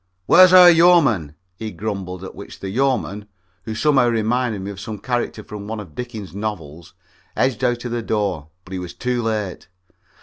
"Where's our yeoman?" he grumbled, at which the yeoman, who somehow reminded me of some character from one of Dickens's novels, edged out of the door, but he was too late.